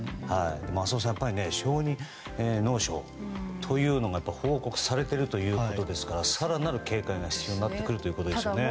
浅尾さん、小児脳症が報告されているということですから更なる警戒が必要になってくるということですね。